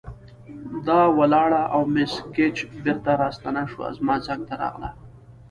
دا ولاړه او مس ګېج بیرته راستنه شوه، زما څنګ ته راغله.